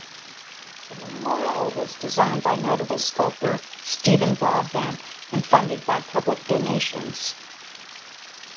The memorial was designed by notable sculptor Stephen Broadbent and funded by public donations.